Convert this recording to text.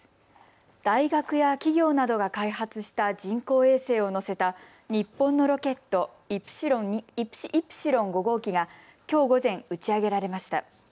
大学や企業などが開発した人工衛星を載せた日本のロケット、イプシロン５号機がきょう午前、打ち上げられました。